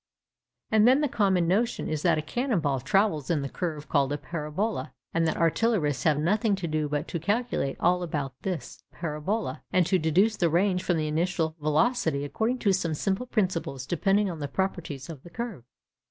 And then the common notion is that a cannon ball travels in the curve called a parabola, and that artillerists have nothing to do but to calculate all about this parabola, and to deduce the range from the initial velocity according to some simple principles depending on the properties of the curve.